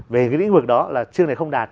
về cái lĩnh vực đó là chương này không đạt